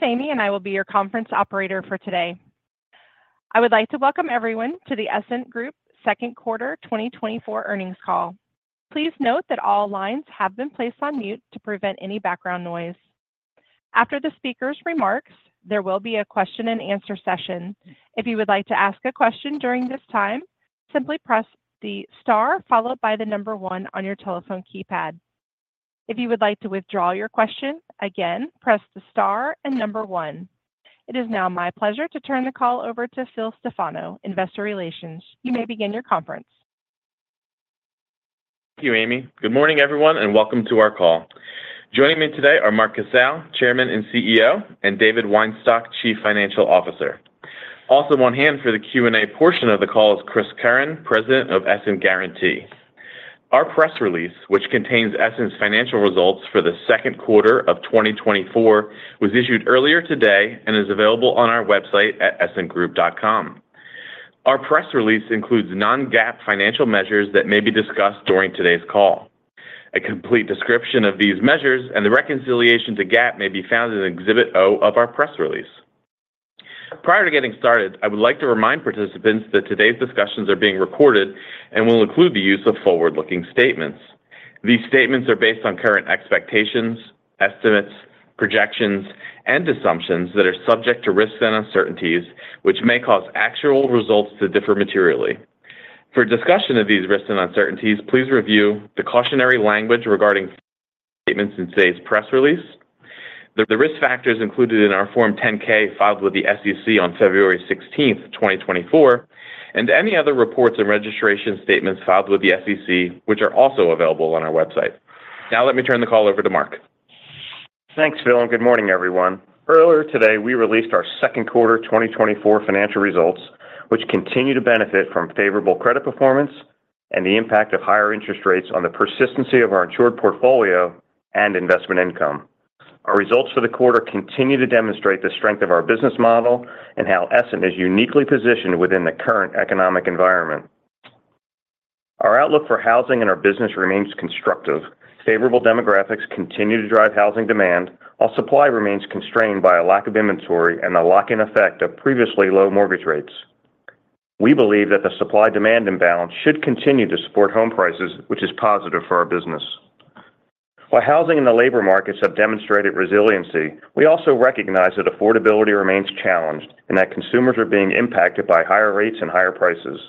This is Amy, and I will be your conference operator for today. I would like to welcome everyone to the Essent Group Second Quarter 2024 earnings call. Please note that all lines have been placed on mute to prevent any background noise. After the speaker's remarks, there will be a question-and-answer session. If you would like to ask a question during this time, simply press the star followed by the number one on your telephone keypad. If you would like to withdraw your question, again, press the star and number one. It is now my pleasure to turn the call over to Phil Stefano, Investor Relations. You may begin your conference. Thank you, Amy. Good morning, everyone, and welcome to our call. Joining me today are Mark Casale, Chairman and CEO, and David Weinstock, Chief Financial Officer. Also on hand for the Q&A portion of the call is Chris Curran, President of Essent Guaranty. Our press release, which contains Essent's financial results for the second quarter of 2024, was issued earlier today and is available on our website at essentgroup.com. Our press release includes non-GAAP financial measures that may be discussed during today's call. A complete description of these measures and the reconciliation to GAAP may be found in Exhibit O of our press release. Prior to getting started, I would like to remind participants that today's discussions are being recorded and will include the use of forward-looking statements. These statements are based on current expectations, estimates, projections, and assumptions that are subject to risks and uncertainties, which may cause actual results to differ materially. For discussion of these risks and uncertainties, please review the cautionary language regarding statements in today's press release, the risk factors included in our Form 10-K filed with the SEC on February 16th, 2024, and any other reports and registration statements filed with the SEC, which are also available on our website. Now, let me turn the call over to Mark. Thanks, Phil. Good morning, everyone. Earlier today, we released our second quarter 2024 financial results, which continue to benefit from favorable credit performance and the impact of higher interest rates on the persistency of our insured portfolio and investment income. Our results for the quarter continue to demonstrate the strength of our business model and how Essent is uniquely positioned within the current economic environment. Our outlook for housing and our business remains constructive. Favorable demographics continue to drive housing demand, while supply remains constrained by a lack of inventory and the lock-in effect of previously low mortgage rates. We believe that the supply-demand imbalance should continue to support home prices, which is positive for our business. While housing and the labor markets have demonstrated resiliency, we also recognize that affordability remains challenged and that consumers are being impacted by higher rates and higher prices.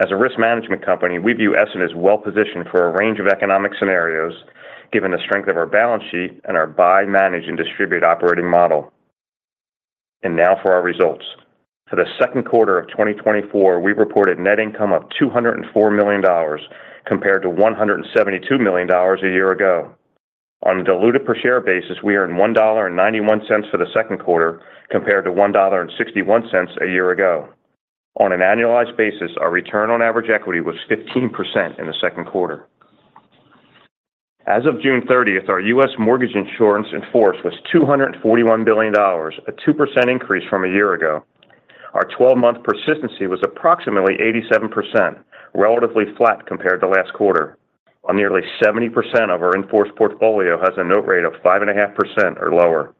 As a risk management company, we view Essent as well-positioned for a range of economic scenarios, given the strength of our balance sheet and our buy-manage-and-distribute operating model. And now for our results. For the second quarter of 2024, we reported net income of $204 million compared to $172 million a year ago. On a diluted-per-share basis, we earned $1.91 for the second quarter compared to $1.61 a year ago. On an annualized basis, our return on average equity was 15% in the second quarter. As of June 30th, our U.S. mortgage insurance in force was $241 billion, a 2% increase from a year ago. Our 12-month persistency was approximately 87%, relatively flat compared to last quarter. Nearly 70% of our in force portfolio has a note rate of 5.5% or lower.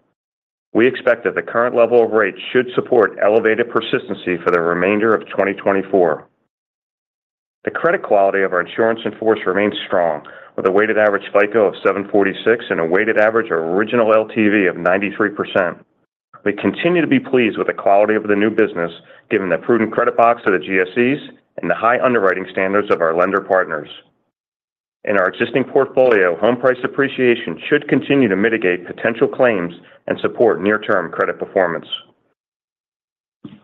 We expect that the current level of rate should support elevated persistency for the remainder of 2024. The credit quality of our insurance in force remains strong, with a weighted average FICO of 746 and a weighted average original LTV of 93%. We continue to be pleased with the quality of the new business, given the prudent credit box of the GSEs and the high underwriting standards of our lender partners. In our existing portfolio, home price appreciation should continue to mitigate potential claims and support near-term credit performance.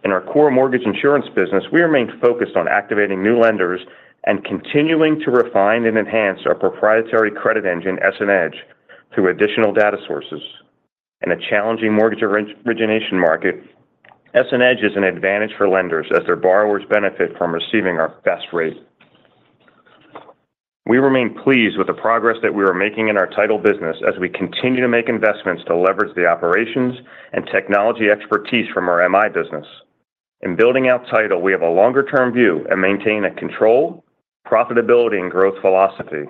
In our core mortgage insurance business, we remain focused on activating new lenders and continuing to refine and enhance our proprietary credit engine, EssentEDGE, through additional data sources. In a challenging mortgage origination market, EssentEDGE is an advantage for lenders as their borrowers benefit from receiving our best rate. We remain pleased with the progress that we are making in our title business as we continue to make investments to leverage the operations and technology expertise from our MI business. In building out title, we have a longer-term view and maintain a control, profitability, and growth philosophy.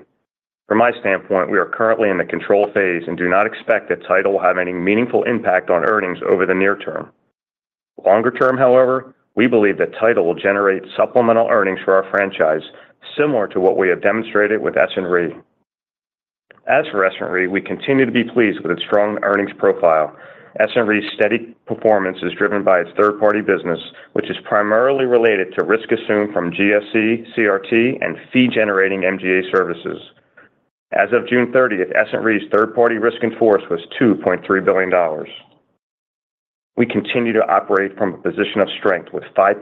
From my standpoint, we are currently in the control phase and do not expect that title will have any meaningful impact on earnings over the near term. Longer term, however, we believe that title will generate supplemental earnings for our franchise, similar to what we have demonstrated with Essent Re. As for Essent Re, we continue to be pleased with its strong earnings profile. Essent Re's steady performance is driven by its third-party business, which is primarily related to risk assumed from GSE, CRT, and fee-generating MGA services. As of June 30th, Essent Re's third-party risk in force was $2.3 billion. We continue to operate from a position of strength with $5.4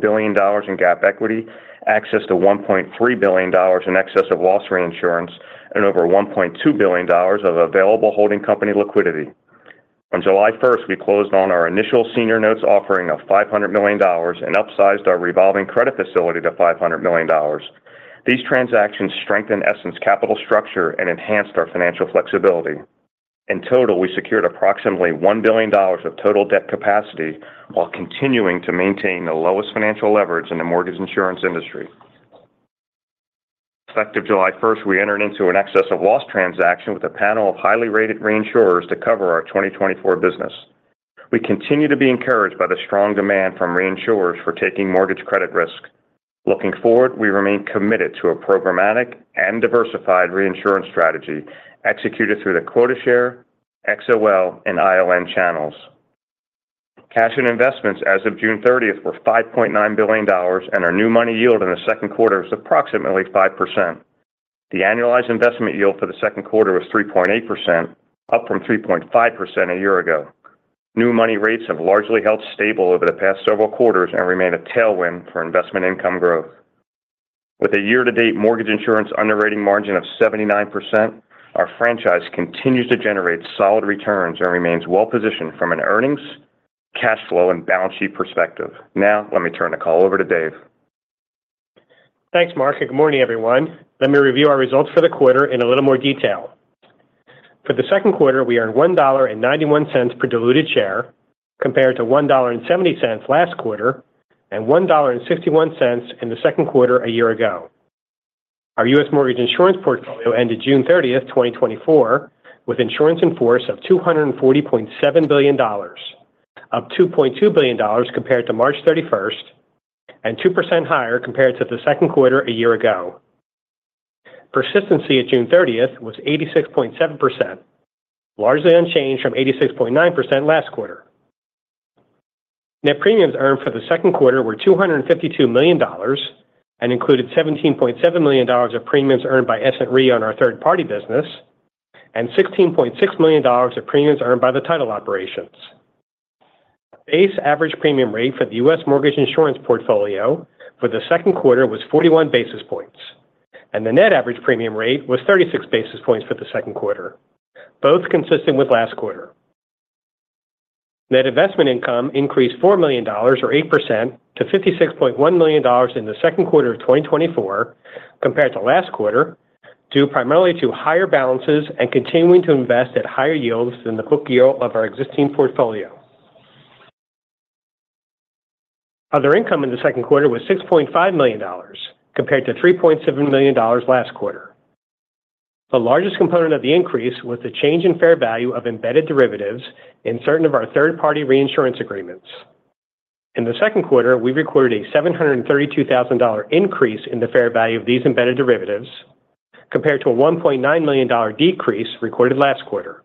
billion in GAAP equity, excess of $1.3 billion in excess of PMIERs, and over $1.2 billion of available holding company liquidity. On July 1st, we closed on our initial senior notes offering of $500 million and upsized our revolving credit facility to $500 million. These transactions strengthened Essent's capital structure and enhanced our financial flexibility. In total, we secured approximately $1 billion of total debt capacity while continuing to maintain the lowest financial leverage in the mortgage insurance industry. Effective July 1st, we entered into an excess of loss transaction with a panel of highly rated reinsurers to cover our 2024 business. We continue to be encouraged by the strong demand from reinsurers for taking mortgage credit risk. Looking forward, we remain committed to a programmatic and diversified reinsurance strategy executed through the quota share, XOL, and ILN channels. Cash and investments as of June 30th were $5.9 billion, and our new money yield in the second quarter was approximately 5%. The annualized investment yield for the second quarter was 3.8%, up from 3.5% a year ago. New money rates have largely held stable over the past several quarters and remain a tailwind for investment income growth. With a year-to-date mortgage insurance underwriting margin of 79%, our franchise continues to generate solid returns and remains well-positioned from an earnings, cash flow, and balance sheet perspective. Now, let me turn the call over to Dave. Thanks, Mark. Good morning, everyone. Let me review our results for the quarter in a little more detail. For the second quarter, we earned $1.91 per diluted share compared to $1.70 last quarter and $1.61 in the second quarter a year ago. Our U.S. mortgage insurance portfolio ended June 30th, 2024, with insurance in force of $240.7 billion, up $2.2 billion compared to March 31st and 2% higher compared to the second quarter a year ago. Persistency at June 30th was 86.7%, largely unchanged from 86.9% last quarter. Net premiums earned for the second quarter were $252 million and included $17.7 million of premiums earned by Essent Re on our third-party business and $16.6 million of premiums earned by the title operations. Base average premium rate for the U.S. Mortgage insurance portfolio for the second quarter was 41 basis points, and the net average premium rate was 36 basis points for the second quarter, both consistent with last quarter. Net investment income increased $4 million, or 8%, to $56.1 million in the second quarter of 2024 compared to last quarter, due primarily to higher balances and continuing to invest at higher yields than the book yield of our existing portfolio. Other income in the second quarter was $6.5 million compared to $3.7 million last quarter. The largest component of the increase was the change in fair value of embedded derivatives in certain of our third-party reinsurance agreements. In the second quarter, we recorded a $732,000 increase in the fair value of these embedded derivatives compared to a $1.9 million decrease recorded last quarter.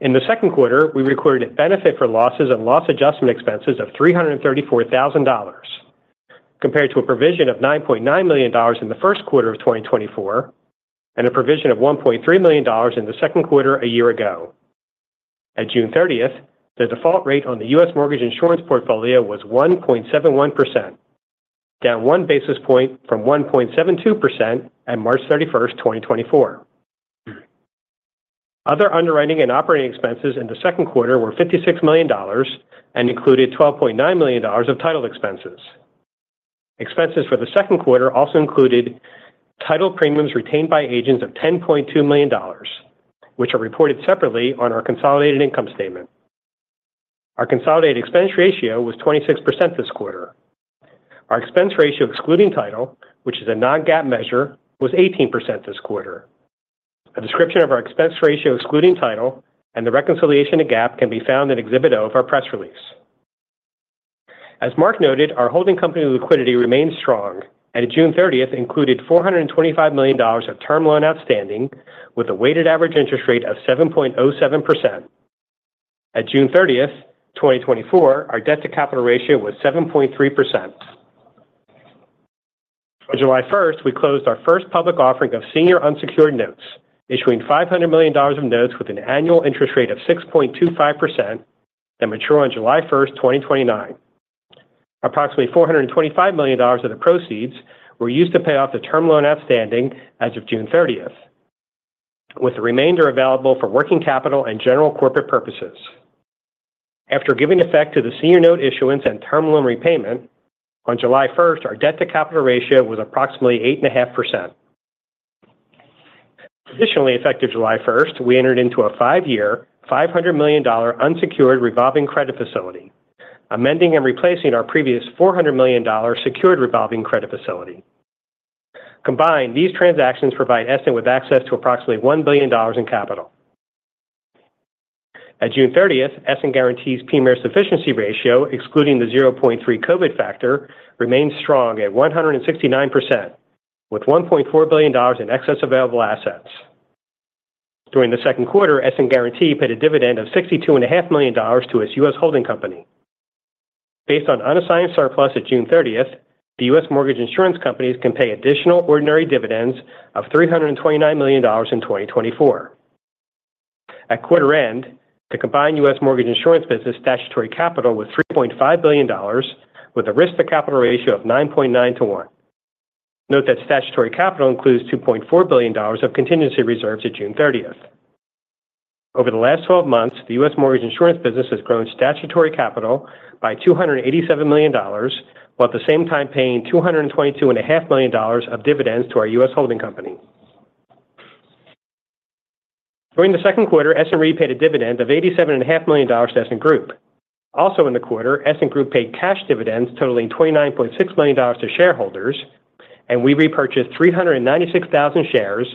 In the second quarter, we recorded a benefit for losses and loss adjustment expenses of $334,000 compared to a provision of $9.9 million in the first quarter of 2024 and a provision of $1.3 million in the second quarter a year ago. At June 30th, the default rate on the U.S. mortgage insurance portfolio was 1.71%, down one basis point from 1.72% at March 31st, 2024. Other underwriting and operating expenses in the second quarter were $56 million and included $12.9 million of title expenses. Expenses for the second quarter also included title premiums retained by agents of $10.2 million, which are reported separately on our consolidated income statement. Our consolidated expense ratio was 26% this quarter. Our expense ratio excluding title, which is a non-GAAP measure, was 18% this quarter. A description of our expense ratio excluding title and the reconciliation to GAAP can be found in Exhibit O of our press release. As Mark noted, our holding company liquidity remained strong, and June 30th included $425 million of term loan outstanding with a weighted average interest rate of 7.07%. At June 30th, 2024, our debt-to-capital ratio was 7.3%. On July 1st, we closed our first public offering of senior unsecured notes, issuing $500 million of notes with an annual interest rate of 6.25% that mature on July 1st, 2029. Approximately $425 million of the proceeds were used to pay off the term loan outstanding as of June 30th, with the remainder available for working capital and general corporate purposes. After giving effect to the senior note issuance and term loan repayment, on July 1st, our debt-to-capital ratio was approximately 8.5%. Additionally, effective July 1st, we entered into a five-year, $500 million unsecured revolving credit facility, amending and replacing our previous $400 million secured revolving credit facility. Combined, these transactions provide Essent with access to approximately $1 billion in capital. At June 30th, Essent Guaranty's PMIERs sufficiency ratio, excluding the 0.3 COVID factor, remained strong at 169%, with $1.4 billion in excess available assets. During the second quarter, Essent Guaranty paid a dividend of $62.5 million to its U.S. holding company. Based on unassigned surplus at June 30th, the U.S. mortgage insurance companies can pay additional ordinary dividends of $329 million in 2024. At quarter end, the combined U.S. mortgage insurance business statutory capital was $3.5 billion, with a risk-to-capital ratio of 9.9 to 1. Note that statutory capital includes $2.4 billion of contingency reserves at June 30th. Over the last 12 months, the U.S. Mortgage insurance business has grown statutory capital by $287 million, while at the same time paying $222.5 million of dividends to our U.S. holding company. During the second quarter, Essent Re paid a dividend of $87.5 million to Essent Group. Also in the quarter, Essent Group paid cash dividends, totaling $29.6 million to shareholders, and we repurchased 396,000 shares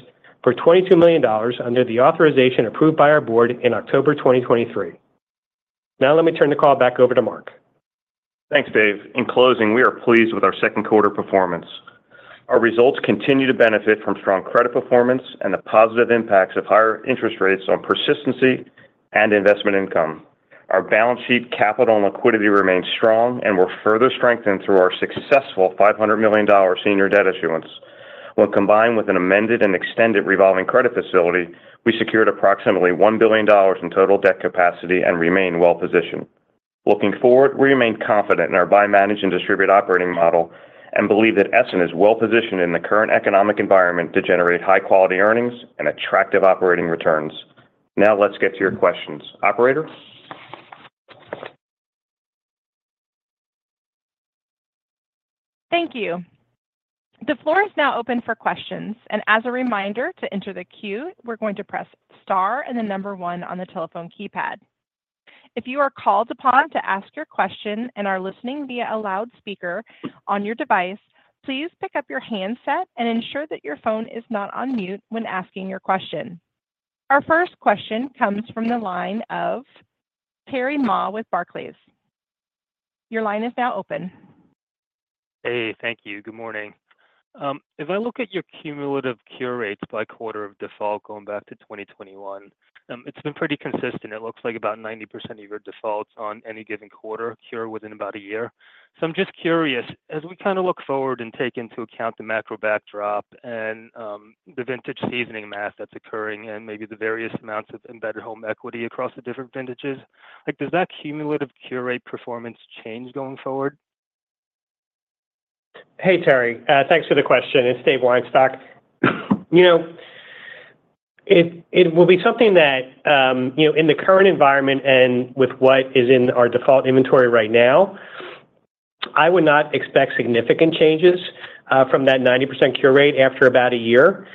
for $22 million under the authorization approved by our board in October 2023. Now, let me turn the call back over to Mark. Thanks, Dave. In closing, we are pleased with our second quarter performance. Our results continue to benefit from strong credit performance and the positive impacts of higher interest rates on persistency and investment income. Our balance sheet, capital, and liquidity remained strong and were further strengthened through our successful $500 million senior debt issuance. When combined with an amended and extended revolving credit facility, we secured approximately $1 billion in total debt capacity and remained well-positioned. Looking forward, we remain confident in our buy-manage-and-distribute operating model and believe that Essent is well-positioned in the current economic environment to generate high-quality earnings and attractive operating returns. Now, let's get to your questions. Operator? Thank you. The floor is now open for questions. As a reminder, to enter the queue, we're going to press star and the number one on the telephone keypad. If you are called upon to ask your question and are listening via a loudspeaker on your device, please pick up your handset and ensure that your phone is not on mute when asking your question. Our first question comes from the line of Terry Ma with Barclays. Your line is now open. Hey, thank you. Good morning. If I look at your cumulative cure rates by quarter of default going back to 2021, it's been pretty consistent. It looks like about 90% of your defaults on any given quarter cure within about a year. So I'm just curious, as we kind of look forward and take into account the macro backdrop and the vintage seasoning math that's occurring and maybe the various amounts of embedded home equity across the different vintages, does that cumulative cure rate performance change going forward? Hey, Terry. Thanks for the question. It's Dave Weinstock. It will be something that, in the current environment and with what is in our default inventory right now, I would not expect significant changes from that 90% cure rate after about a year.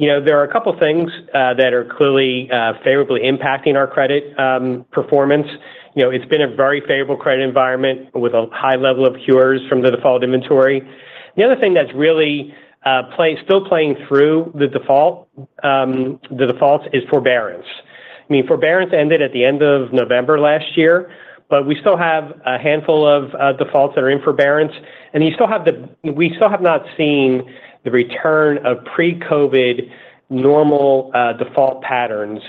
There are a couple of things that are clearly favorably impacting our credit performance. It's been a very favorable credit environment with a high level of cures from the default inventory. The other thing that's really still playing through the default is forbearance. I mean, forbearance ended at the end of November last year, but we still have a handful of defaults that are in forbearance. And we still have not seen the return of pre-COVID normal default patterns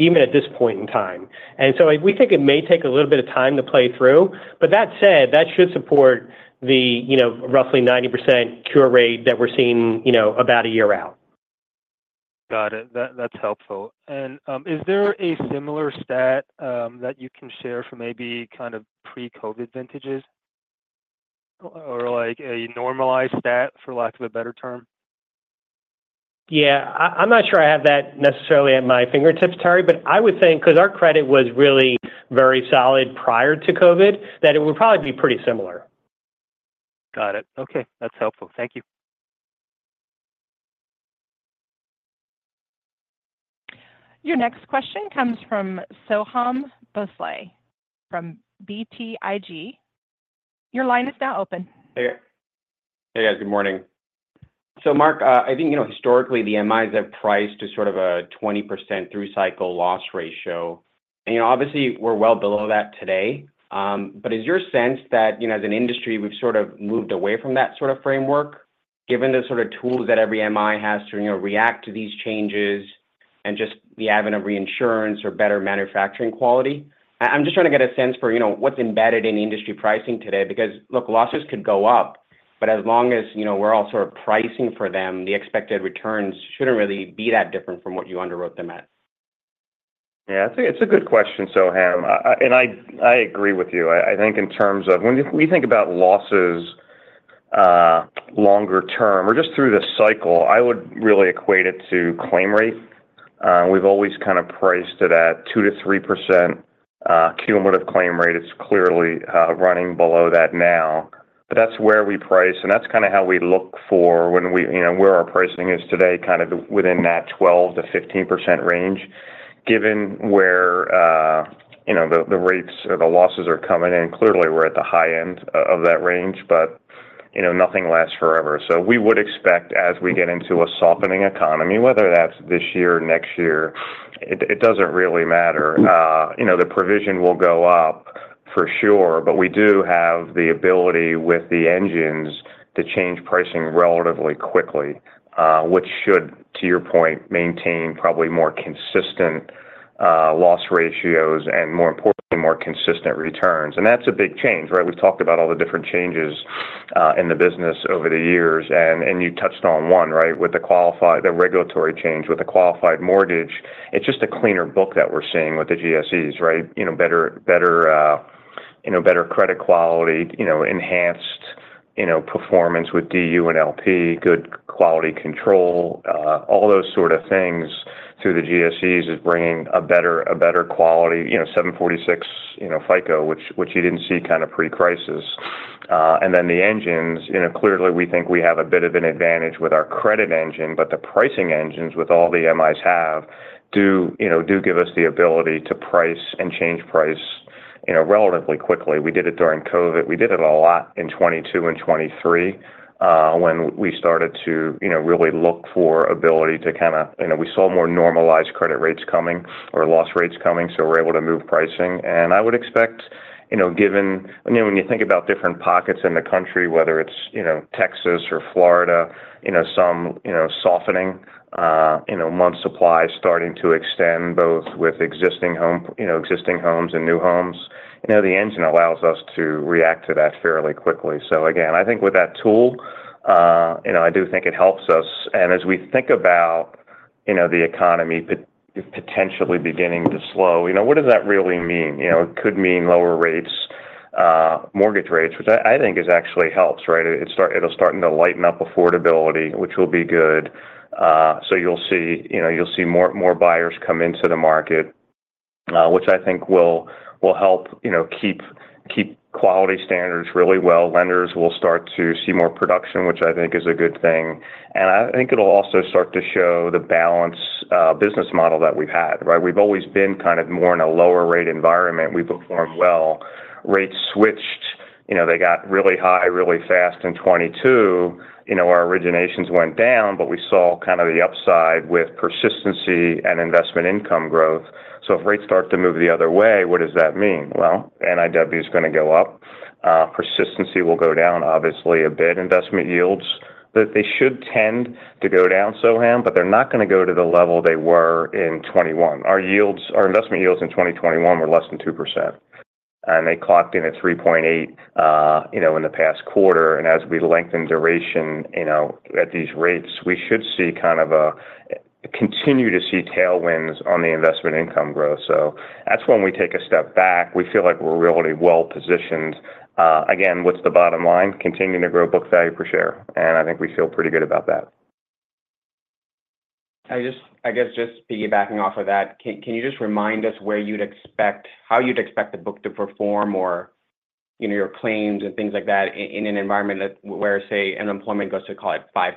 even at this point in time. And so we think it may take a little bit of time to play through. But that said, that should support the roughly 90% cure rate that we're seeing about a year out. Got it. That's helpful. Is there a similar stat that you can share for maybe kind of pre-COVID vintages or a normalized stat, for lack of a better term? Yeah. I'm not sure I have that necessarily at my fingertips, Terry, but I would think, because our credit was really very solid prior to COVID, that it would probably be pretty similar. Got it. Okay. That's helpful. Thank you. Your next question comes from Soham Bhonsle from BTIG. Your line is now open. Hey. Hey, guys. Good morning. So Mark, I think historically the MIs have priced to sort of a 20% through cycle loss ratio. And obviously, we're well below that today. But is your sense that as an industry, we've sort of moved away from that sort of framework given the sort of tools that every MI has to react to these changes and just the advent of reinsurance or better manufacturing quality? I'm just trying to get a sense for what's embedded in industry pricing today because, look, losses could go up, but as long as we're all sort of pricing for them, the expected returns shouldn't really be that different from what you underwrote them at. Yeah. It's a good question, Soham. And I agree with you. I think in terms of when we think about losses longer term or just through the cycle, I would really equate it to claim rate. We've always kind of priced at a 2%-3% cumulative claim rate. It's clearly running below that now. But that's where we price. And that's kind of how we look for where our pricing is today, kind of within that 12%-15% range. Given where the rates or the losses are coming in, clearly we're at the high end of that range, but nothing lasts forever. So we would expect as we get into a softening economy, whether that's this year or next year, it doesn't really matter. The provision will go up for sure, but we do have the ability with the engines to change pricing relatively quickly, which should, to your point, maintain probably more consistent loss ratios and, more importantly, more consistent returns. And that's a big change, right? We've talked about all the different changes in the business over the years. And you touched on one, right? With the regulatory change with the qualified mortgage, it's just a cleaner book that we're seeing with the GSEs, right? Better credit quality, enhanced performance with DU and LP, good quality control, all those sort of things through the GSEs is bringing a better quality, 746 FICO, which you didn't see kind of pre-crisis. And then the engines, clearly, we think we have a bit of an advantage with our credit engine, but the pricing engines with all the MIs have do give us the ability to price and change price relatively quickly. We did it during COVID. We did it a lot in 2022 and 2023 when we started to really look for ability to kind of we saw more normalized credit rates coming or loss rates coming, so we're able to move pricing. And I would expect, given when you think about different pockets in the country, whether it's Texas or Florida, some softening, month supply starting to extend both with existing homes and new homes, the engine allows us to react to that fairly quickly. So again, I think with that tool, I do think it helps us. As we think about the economy potentially beginning to slow, what does that really mean? It could mean lower mortgage rates, which I think actually helps, right? It'll start to lighten up affordability, which will be good. So you'll see more buyers come into the market, which I think will help keep quality standards really well. Lenders will start to see more production, which I think is a good thing. And I think it'll also start to show the balanced business model that we've had, right? We've always been kind of more in a lower rate environment. We performed well. Rates switched. They got really high really fast in 2022. Our originations went down, but we saw kind of the upside with persistency and investment income growth. So if rates start to move the other way, what does that mean? Well, NIW is going to go up. Persistency will go down, obviously, a bit. Investment yields, they should tend to go down, Soham, but they're not going to go to the level they were in 2021. Our investment yields in 2021 were less than 2%, and they clocked in at 3.8% in the past quarter. As we lengthen duration at these rates, we should continue to see tailwinds on the investment income growth. That's when we take a step back. We feel like we're really well-positioned. Again, what's the bottom line? Continuing to grow book value per share. I think we feel pretty good about that. I guess just piggybacking off of that, can you just remind us where you'd expect how you'd expect the book to perform or your claims and things like that in an environment where, say, unemployment goes to, call it, 5%,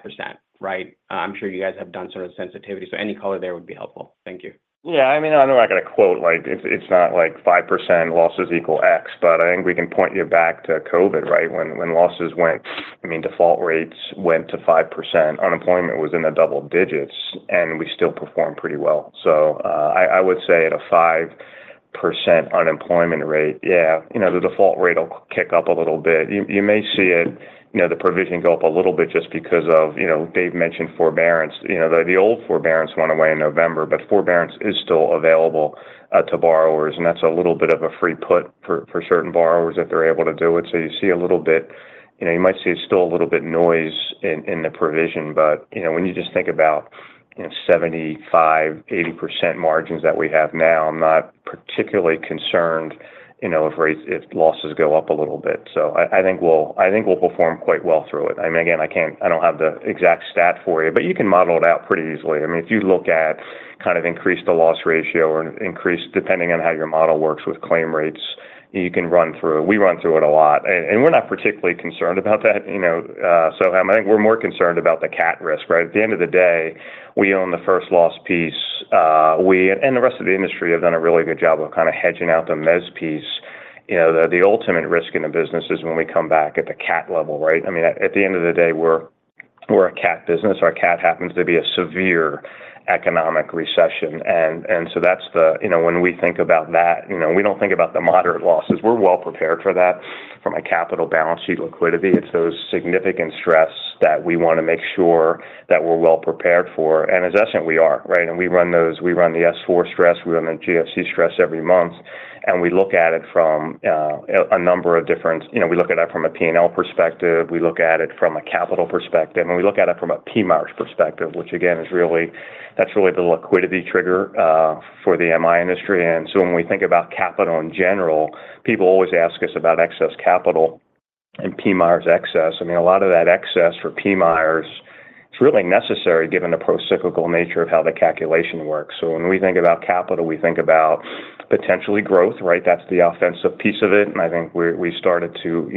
right? I'm sure you guys have done sort of sensitivity. So any color there would be helpful. Thank you. Yeah. I mean, I know I got to quote. It's not like 5% losses equal X, but I think we can point you back to COVID, right? When losses went I mean, default rates went to 5%, unemployment was in the double digits, and we still performed pretty well. So I would say at a 5% unemployment rate, yeah, the default rate will kick up a little bit. You may see the provision go up a little bit just because of Dave mentioned forbearance. The old forbearance went away in November, but forbearance is still available to borrowers. And that's a little bit of a free put for certain borrowers if they're able to do it. So you see a little bit you might see still a little bit of noise in the provision. But when you just think about 75%-80% margins that we have now, I'm not particularly concerned if losses go up a little bit. So I think we'll perform quite well through it. I mean, again, I don't have the exact stat for you, but you can model it out pretty easily. I mean, if you look at kind of increase the loss ratio or increase depending on how your model works with claim rates, you can run through it. We run through it a lot. And we're not particularly concerned about that, Soham. I think we're more concerned about the cat risk, right? At the end of the day, we own the first loss piece. And the rest of the industry have done a really good job of kind of hedging out the mezz piece. The ultimate risk in a business is when we come back at the cat level, right? I mean, at the end of the day, we're a cat business. Our cat happens to be a severe economic recession. And so that's when we think about that, we don't think about the moderate losses. We're well-prepared for that from a capital balance sheet liquidity. It's those significant stress that we want to make sure that we're well-prepared for. And as Essent, we are, right? And we run the S4 stress. We run the GFC stress every month. And we look at it from a P&L perspective. We look at it from a capital perspective. And we look at it from a PMIERs perspective, which, again, that's really the liquidity trigger for the MI industry. And so when we think about capital in general, people always ask us about excess capital and PMIERs excess. I mean, a lot of that excess for PMIERs; it's really necessary given the procyclical nature of how the calculation works. So when we think about capital, we think about potentially growth, right? That's the offensive piece of it. And I think we started to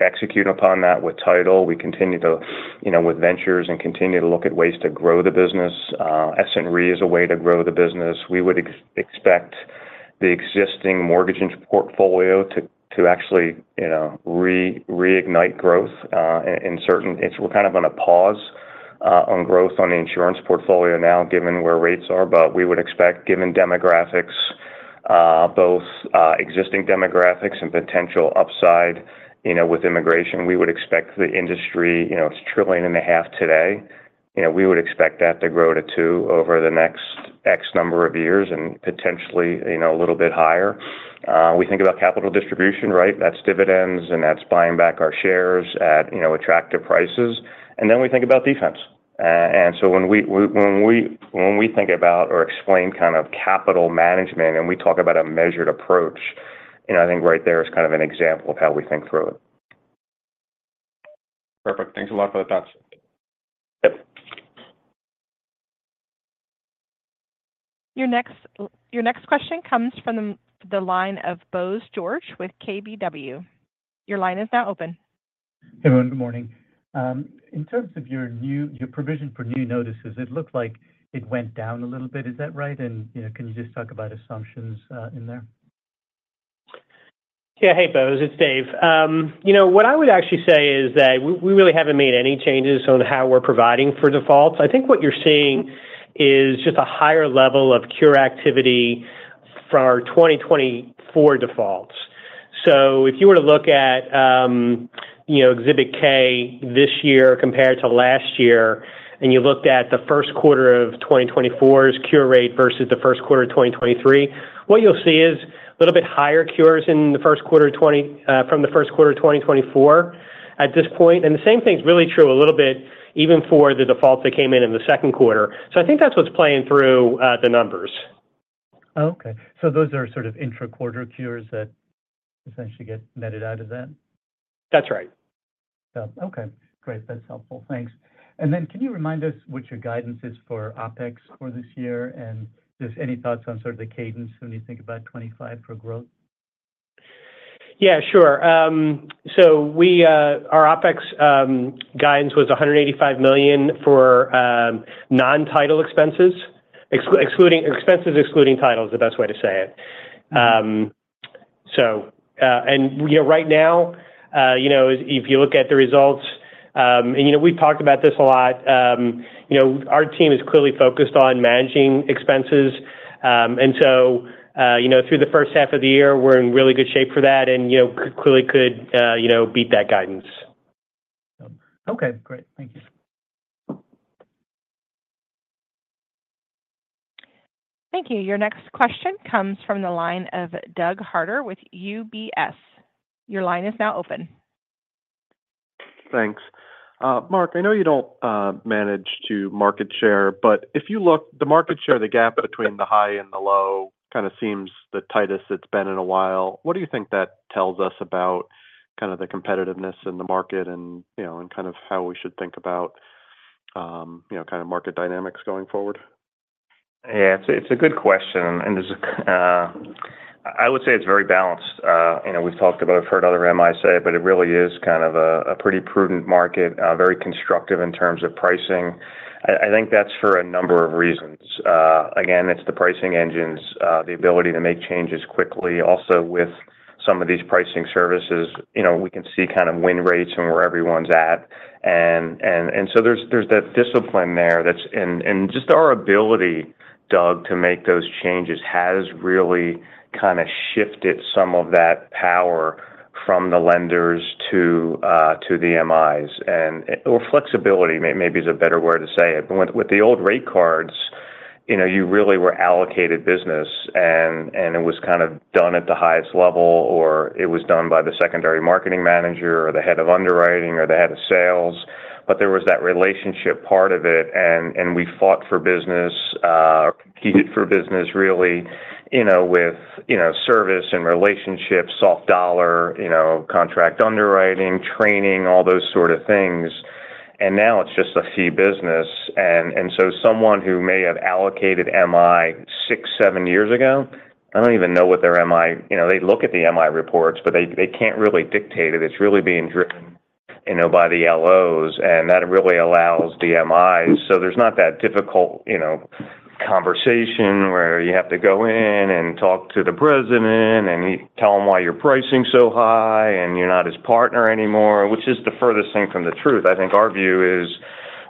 execute upon that with title. We continue to with ventures and continue to look at ways to grow the business. Essent Re is a way to grow the business. We would expect the existing mortgage portfolio to actually reignite growth in certain we're kind of on a pause on growth on the insurance portfolio now given where rates are. But we would expect, given demographics, both existing demographics and potential upside with immigration, we would expect the industry it's $1.5 trillion today. We would expect that to grow to two over the next X number of years and potentially a little bit higher. We think about capital distribution, right? That's dividends, and that's buying back our shares at attractive prices. And then we think about defense. And so when we think about or explain kind of capital management and we talk about a measured approach, I think right there is kind of an example of how we think through it. Perfect. Thanks a lot for the thoughts. Yep. Your next question comes from the line of Bose George with KBW. Your line is now open. Hey, everyone. Good morning. In terms of your provision for new notices, it looked like it went down a little bit. Is that right? Can you just talk about assumptions in there? Yeah. Hey, Bose. It's Dave. What I would actually say is that we really haven't made any changes on how we're providing for defaults. I think what you're seeing is just a higher level of cure activity for our 2024 defaults. So if you were to look at Exhibit K this year compared to last year and you looked at the first quarter of 2024's cure rate versus the first quarter of 2023, what you'll see is a little bit higher cures from the first quarter of 2024 at this point. And the same thing's really true a little bit even for the defaults that came in in the second quarter. So I think that's what's playing through the numbers. Okay. So those are sort of intra-quarter cures that essentially get netted out of that? That's right. Okay. Great. That's helpful. Thanks. And then can you remind us what your guidance is for OpEx for this year? And just any thoughts on sort of the cadence when you think about 2025 for growth? Yeah. Sure. So our OpEx guidance was $185 million for non-title expenses, expenses excluding title is the best way to say it. And right now, if you look at the results and we've talked about this a lot. Our team is clearly focused on managing expenses. And so through the first half of the year, we're in really good shape for that and clearly could beat that guidance. Okay. Great. Thank you. Thank you. Your next question comes from the line of Doug Harter with UBS. Your line is now open. Thanks. Mark, I know you don't manage the market share, but if you look, the market share, the gap between the high and the low kind of seems the tightest it's been in a while. What do you think that tells us about kind of the competitiveness in the market and kind of how we should think about kind of market dynamics going forward? Yeah. It's a good question. I would say it's very balanced. We've talked about it. I've heard other MIs say it, but it really is kind of a pretty prudent market, very constructive in terms of pricing. I think that's for a number of reasons. Again, it's the pricing engines, the ability to make changes quickly. Also, with some of these pricing services, we can see kind of win rates and where everyone's at. So there's that discipline there. Just our ability, Doug, to make those changes has really kind of shifted some of that power from the lenders to the MIs. Or flexibility maybe is a better way to say it. But with the old rate cards, you really were allocated business, and it was kind of done at the highest level, or it was done by the secondary marketing manager or the head of underwriting or the head of sales. But there was that relationship part of it. And we fought for business, competed for business, really, with service and relationship, soft dollar, contract underwriting, training, all those sort of things. And now it's just a fee business. And so someone who may have allocated MI 6, 7 years ago, I don't even know what their MI they look at the MI reports, but they can't really dictate it. It's really being driven by the LOs. And that really allows the MIs. So there's not that difficult conversation where you have to go in and talk to the president and tell him why you're pricing so high and you're not his partner anymore, which is the furthest thing from the truth. I think our view is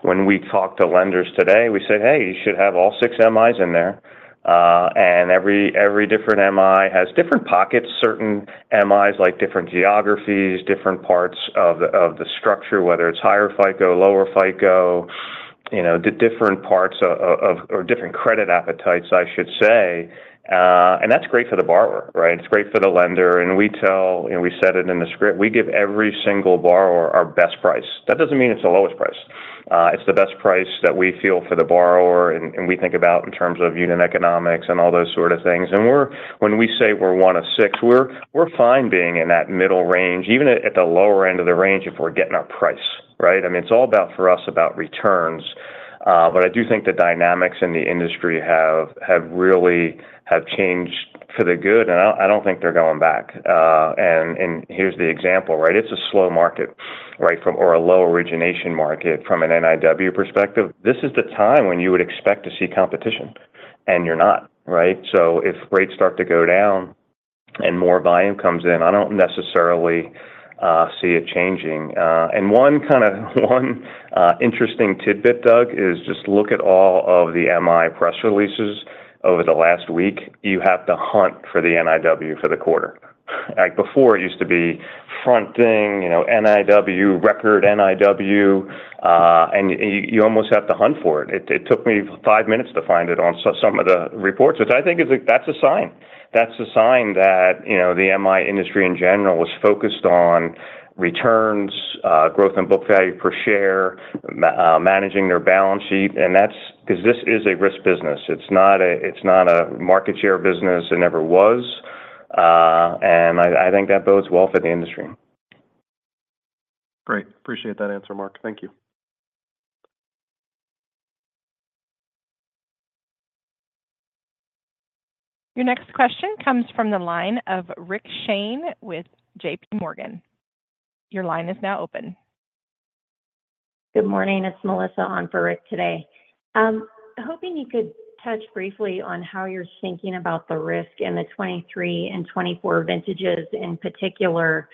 when we talk to lenders today, we say, "Hey, you should have all six MIs in there." And every different MI has different pockets. Certain MIs like different geographies, different parts of the structure, whether it's higher FICO, lower FICO, different parts of or different credit appetites, I should say. And that's great for the borrower, right? It's great for the lender. And we said it in the script. We give every single borrower our best price. That doesn't mean it's the lowest price. It's the best price that we feel for the borrower and we think about in terms of unit economics and all those sort of things. And when we say we're one of six, we're fine being in that middle range, even at the lower end of the range if we're getting our price, right? I mean, it's all about for us about returns. But I do think the dynamics in the industry have really changed for the good. And I don't think they're going back. And here's the example, right? It's a slow market, right, or a low origination market from an NIW perspective. This is the time when you would expect to see competition, and you're not, right? So if rates start to go down and more volume comes in, I don't necessarily see it changing. And one kind of one interesting tidbit, Doug, is just look at all of the MI press releases over the last week. You have to hunt for the NIW for the quarter. Before, it used to be front thing, NIW, record NIW. And you almost have to hunt for it. It took me five minutes to find it on some of the reports, which I think is that's a sign. That's a sign that the MI industry in general was focused on returns, growth in book value per share, managing their balance sheet. And that's because this is a risk business. It's not a market share business. It never was. And I think that bodes well for the industry. Great. Appreciate that answer, Mark. Thank you. Your next question comes from the line of Rick Shane with JP Morgan. Your line is now open. Good morning. It's Melissa on for Rick today. Hoping you could touch briefly on how you're thinking about the risk in the 2023 and 2024 vintages in particular,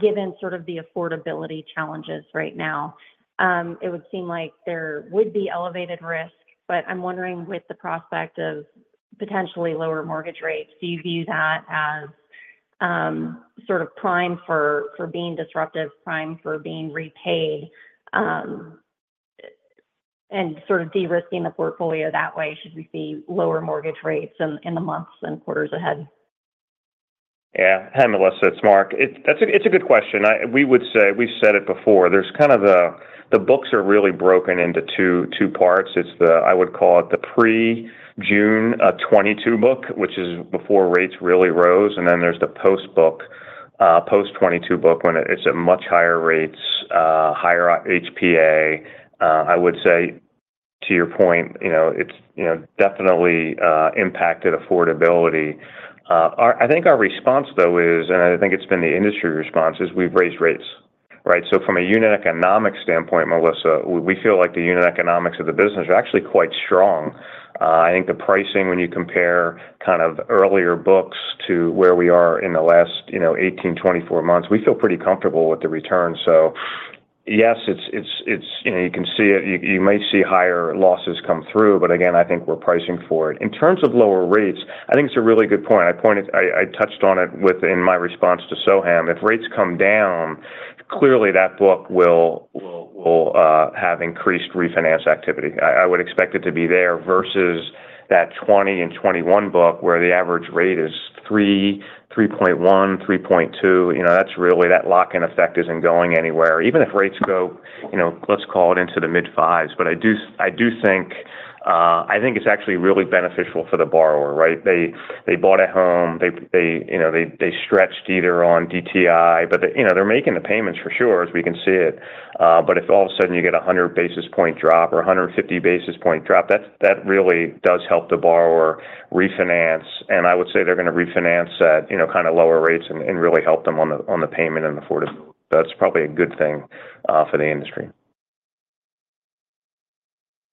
given sort of the affordability challenges right now. It would seem like there would be elevated risk, but I'm wondering with the prospect of potentially lower mortgage rates, do you view that as sort of prime for being disruptive, prime for being repaid, and sort of de-risking the portfolio that way should we see lower mortgage rates in the months and quarters ahead? Yeah. Hi, Melissa. It's Mark. It's a good question. We would say we've said it before. There's kind of the books are really broken into two parts. I would call it the pre-June 2022 book, which is before rates really rose. And then there's the post-book, post 2022 book when it's at much higher rates, higher HPA. I would say, to your point, it's definitely impacted affordability. I think our response, though, is and I think it's been the industry response, is we've raised rates, right? So from a unit economic standpoint, Melissa, we feel like the unit economics of the business are actually quite strong. I think the pricing, when you compare kind of earlier books to where we are in the last 18, 24 months, we feel pretty comfortable with the returns. So yes, you can see it. You may see higher losses come through, but again, I think we're pricing for it. In terms of lower rates, I think it's a really good point. I touched on it in my response to Soham. If rates come down, clearly that book will have increased refinance activity. I would expect it to be there versus that 2020 and 2021 book where the average rate is 3.1, 3.2. That's really that lock-in effect isn't going anywhere. Even if rates go, let's call it into the mid-fives. But I do think it's actually really beneficial for the borrower, right? They bought a home. They stretched either on DTI, but they're making the payments for sure, as we can see it. But if all of a sudden you get a 100 basis point drop or 150 basis point drop, that really does help the borrower refinance. I would say they're going to refinance at kind of lower rates and really help them on the payment and affordability. That's probably a good thing for the industry.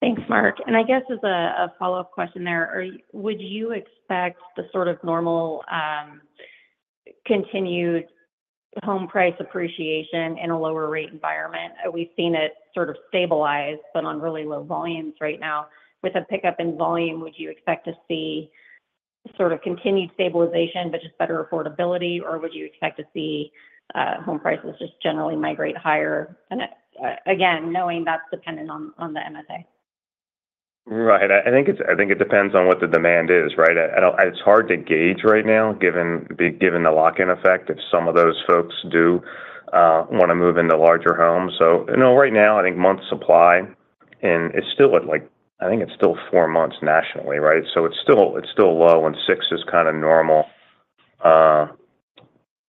Thanks, Mark. And I guess as a follow-up question there, would you expect the sort of normal continued home price appreciation in a lower rate environment? We've seen it sort of stabilize, but on really low volumes right now. With a pickup in volume, would you expect to see sort of continued stabilization, but just better affordability? Or would you expect to see home prices just generally migrate higher? And again, knowing that's dependent on the MSA. Right. I think it depends on what the demand is, right? It's hard to gauge right now given the lock-in effect if some of those folks do want to move into larger homes. So right now, I think month supply is still at I think it's still 4 months nationally, right? So it's still low, and 6 is kind of normal.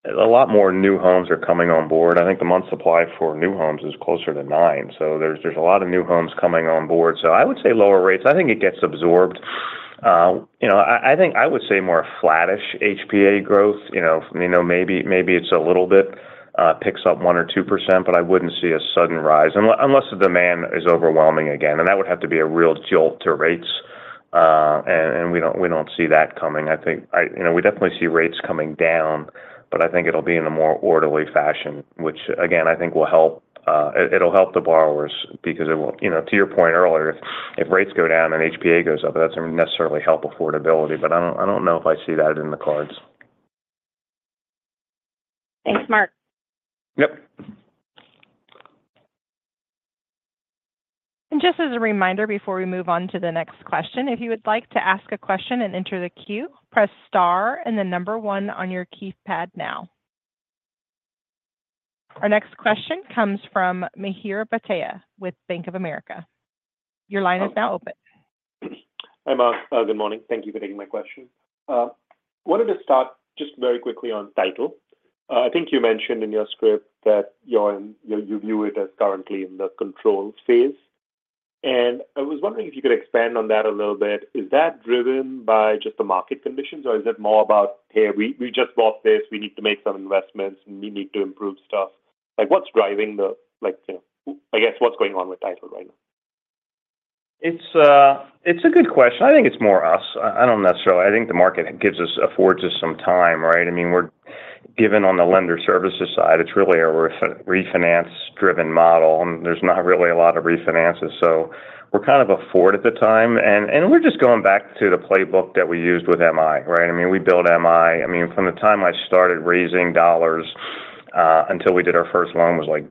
A lot more new homes are coming on board. I think the month supply for new homes is closer to 9. So there's a lot of new homes coming on board. So I would say lower rates. I think it gets absorbed. I think I would say more flattish HPA growth. Maybe it's a little bit picks up 1%-2%, but I wouldn't see a sudden rise unless the demand is overwhelming again. And that would have to be a real jolt to rates. We don't see that coming. I think we definitely see rates coming down, but I think it'll be in a more orderly fashion, which, again, I think will help. It'll help the borrowers because it will, to your point earlier, if rates go down and HPA goes up, that doesn't necessarily help affordability. But I don't know if I see that in the cards. Thanks, Mark. Yep. Just as a reminder before we move on to the next question, if you would like to ask a question and enter the queue, press star and the number one on your keypad now. Our next question comes from Mihir Bhatia with Bank of America. Your line is now open. Hi, Mark. Good morning. Thank you for taking my question. Wanted to start just very quickly on title. I think you mentioned in your script that you view it as currently in the control phase. I was wondering if you could expand on that a little bit. Is that driven by just the market conditions, or is it more about, "Hey, we just bought this. We need to make some investments. We need to improve stuff"? What's driving the, I guess, what's going on with title right now? It's a good question. I think it's more us. I don't necessarily think the market affords us some time, right? I mean, given on the lender services side, it's really a refinance-driven model, and there's not really a lot of refinances. So we're kind of afforded the time. And we're just going back to the playbook that we used with MI, right? I mean, we built MI. I mean, from the time I started raising dollars until we did our first loan was like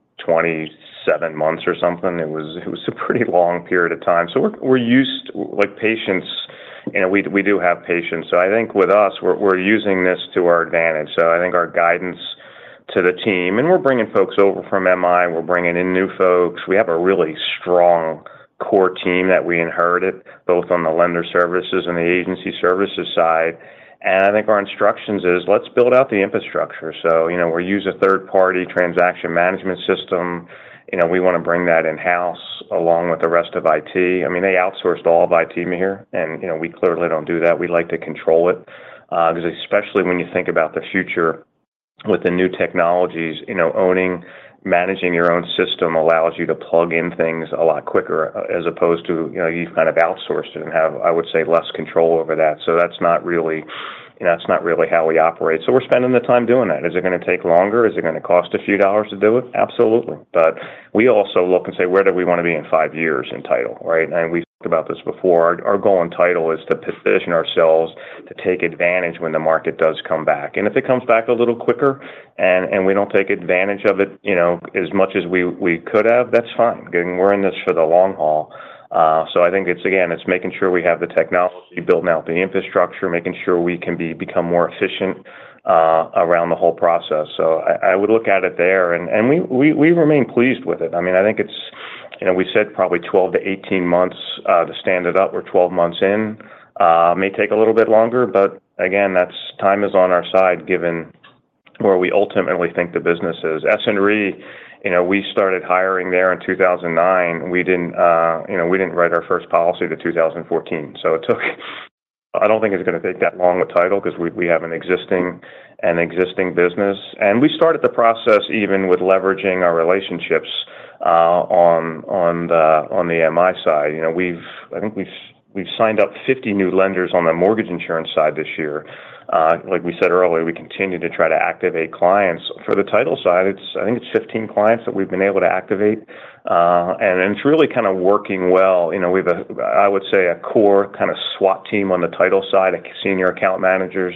27 months or something. It was a pretty long period of time. So we're used to patience. We do have patience. So I think with us, we're using this to our advantage. So I think our guidance to the team and we're bringing folks over from MI. We're bringing in new folks. We have a really strong core team that we inherited both on the lender services and the agency services side. And I think our instructions is, "Let's build out the infrastructure." So we're using a third-party transaction management system. We want to bring that in-house along with the rest of IT. I mean, they outsourced all of IT to me here, and we clearly don't do that. We like to control it. Especially when you think about the future with the new technologies, owning, managing your own system allows you to plug in things a lot quicker as opposed to you've kind of outsourced it and have, I would say, less control over that. So that's not really how we operate. So we're spending the time doing that. Is it going to take longer? Is it going to cost a few dollars to do it? Absolutely. But we also look and say, "Where do we want to be in five years in title?" Right? And we talked about this before. Our goal in title is to position ourselves to take advantage when the market does come back. And if it comes back a little quicker and we don't take advantage of it as much as we could have, that's fine. We're in this for the long haul. So I think it's, again, it's making sure we have the technology, building out the infrastructure, making sure we can become more efficient around the whole process. So I would look at it there. And we remain pleased with it. I mean, I think it's we said probably 12-18 months to stand it up. We're 12 months in. may take a little bit longer, but again, that time is on our side given where we ultimately think the business is. Essent Re, we started hiring there in 2009. We didn't write our first policy to 2014. So I don't think it's going to take that long with title because we have an existing business. We started the process even with leveraging our relationships on the MI side. I think we've signed up 50 new lenders on the mortgage insurance side this year. Like we said earlier, we continue to try to activate clients. For the title side, I think it's 15 clients that we've been able to activate. It's really kind of working well. We have, I would say, a core kind of SWAT team on the title side, senior account managers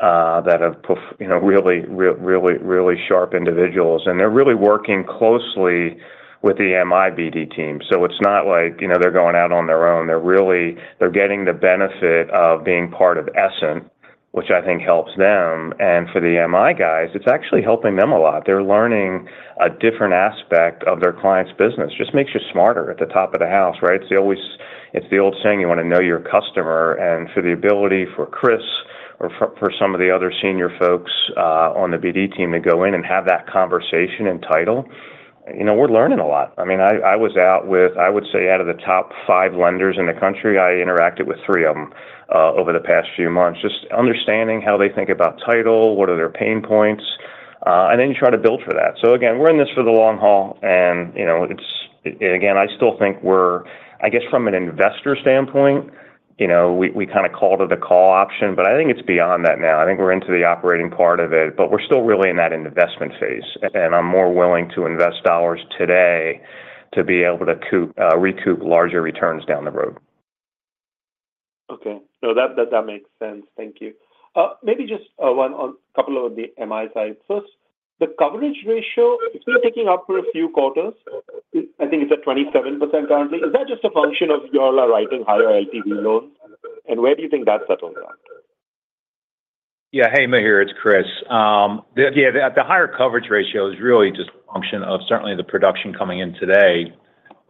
that have really, really, really sharp individuals. And they're really working closely with the MI BD team. So it's not like they're going out on their own. They're getting the benefit of being part of Essent, which I think helps them. And for the MI guys, it's actually helping them a lot. They're learning a different aspect of their client's business. Just makes you smarter at the top of the house, right? It's the old saying, "You want to know your customer." And for the ability for Chris or for some of the other senior folks on the BD team to go in and have that conversation in title, we're learning a lot. I mean, I was out with, I would say, out of the top five lenders in the country. I interacted with three of them over the past few months, just understanding how they think about title, what are their pain points. And then you try to build for that. So again, we're in this for the long haul. And again, I still think we're, I guess, from an investor standpoint, we kind of called it a call option, but I think it's beyond that now. I think we're into the operating part of it, but we're still really in that investment phase. And I'm more willing to invest dollars today to be able to recoup larger returns down the road. Okay. No, that makes sense. Thank you. Maybe just a couple of the MI side. First, the coverage ratio, it's been taking up for a few quarters. I think it's at 27% currently. Is that just a function of you all are writing higher LTV loans? And where do you think that settles out? Yeah. Hey, Mihir. It's Chris. Yeah. The higher coverage ratio is really just a function of certainly the production coming in today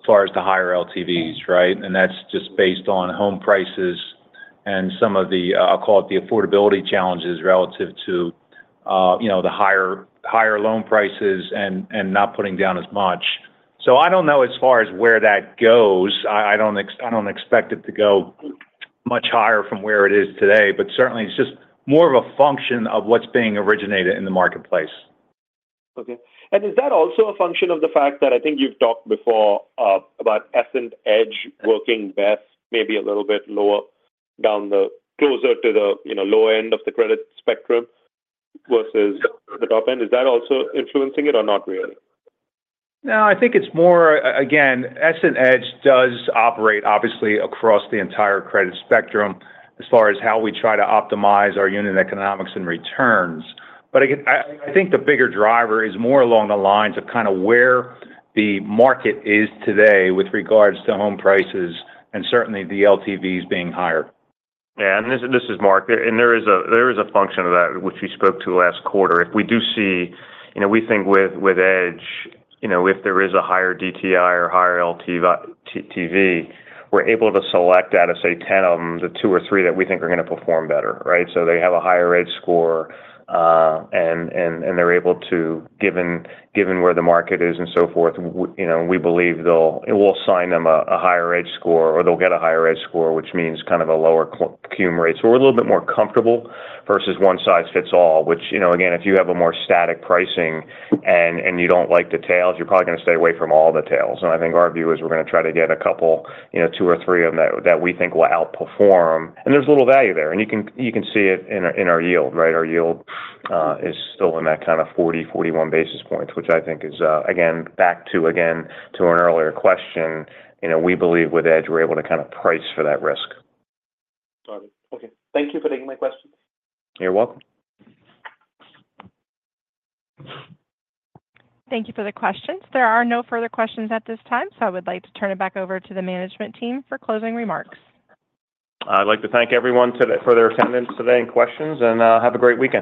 as far as the higher LTVs, right? And that's just based on home prices and some of the, I'll call it the affordability challenges relative to the higher loan prices and not putting down as much. So I don't know as far as where that goes. I don't expect it to go much higher from where it is today, but certainly it's just more of a function of what's being originated in the marketplace. Okay. And is that also a function of the fact that I think you've talked before about EssentEDGE working best, maybe a little bit lower down the closer to the low end of the credit spectrum versus the top end? Is that also influencing it or not really? No, I think it's more again, EssentEDGE does operate obviously across the entire credit spectrum as far as how we try to optimize our unit economics and returns. But I think the bigger driver is more along the lines of kind of where the market is today with regards to home prices and certainly the LTVs being higher. Yeah. And this is Mark. And there is a function of that which we spoke to last quarter. If we do see we think with Edge, if there is a higher DTI or higher LTV, we're able to select out of, say, 10 of them, the two or three that we think are going to perform better, right? So they have a higher edge score, and they're able to, given where the market is and so forth, we believe it will assign them a higher edge score or they'll get a higher edge score, which means kind of a lower cum rate. So we're a little bit more comfortable versus one size fits all, which, again, if you have a more static pricing and you don't like the tails, you're probably going to stay away from all the tails. And I think our view is we're going to try to get a couple, 2 or 3 of them that we think will outperform. And there's a little value there. And you can see it in our yield, right? Our yield is still in that kind of 40-41 basis points, which I think is, again, back to, again, to an earlier question, we believe with Edge, we're able to kind of price for that risk. Got it. Okay. Thank you for taking my questions. You're welcome. Thank you for the questions. There are no further questions at this time, so I would like to turn it back over to the management team for closing remarks. I'd like to thank everyone for their attendance today and questions, and have a great weekend.